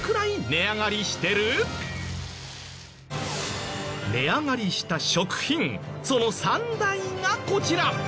値上がりした食品その３大がこちら。